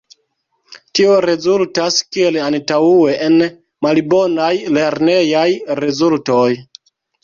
Tio rezultas kiel antaŭe en malbonaj lernejaj rezultoj.